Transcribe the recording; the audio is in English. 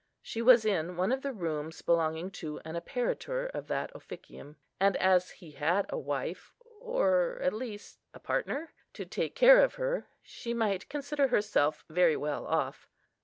She was in one of the rooms belonging to an apparitor of that Officium, and, as he had a wife, or at least a partner, to take care of her, she might consider herself very well off.